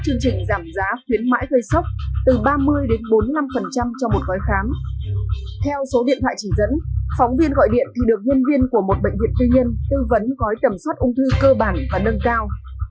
ung thư cơ bản và nâng cao